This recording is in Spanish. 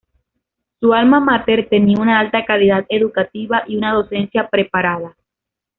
Su alma mater tenía una alta calidad educativa y una docencia preparada.